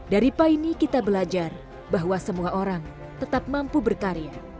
dari paine kita belajar bahwa semua orang tetap mampu berkarya